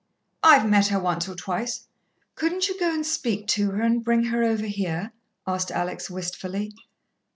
"I've met her once or twice." "Couldn't you go and speak to her, and bring her over here?" asked Alex wistfully.